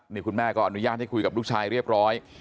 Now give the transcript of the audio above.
นี่คุณแม่ก็อนุญาตให้คุยกับลูกชายเรียบร้อย